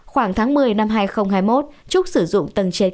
khoảng tháng một mươi năm hai nghìn hai mươi một trúc sử dụng tầng trên